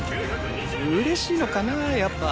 う嬉しいのかなーやっぱ。